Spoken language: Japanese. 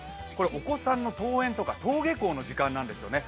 お子さんの登園、登下校の時間帯なんですね。